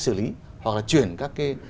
xử lý hoặc là chuyển các cái